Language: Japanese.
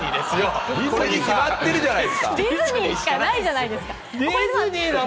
ディズニーしかないじゃないですか！